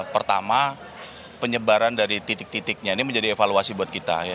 pertama penyebaran dari titik titiknya ini menjadi evaluasi buat kita